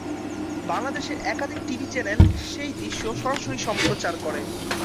বাংলাদেশের একাধিক TV channel সেই দৃশ্য সরাসরি সম্প্রচার করে।